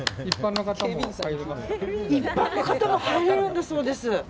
一般の方も入れるんだそうです。